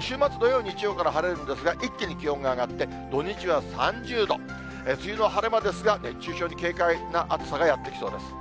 週末土曜、日曜から晴れるんですが、一気に気温が上がって、土日は３０度、梅雨の晴れ間ですが、熱中症に警戒な暑さがやってきそうです。